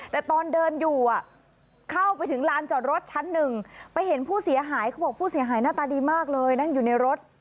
แต่ตอนเดินอยู่เข้าไปถึงลานจอดรถชั้นหนึ่งไปเห็นผู้เสียหายเขาบอกผู้เสียหายหน้าตาดีมากเลยนั่งอยู่ในรถ